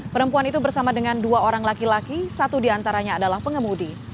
perempuan itu bersama dengan dua orang laki laki satu diantaranya adalah pengemudi